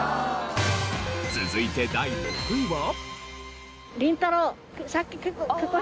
続いて第６位は。